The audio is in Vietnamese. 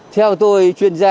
theo tôi chuyên gia